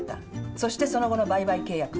そしてその後の売買契約。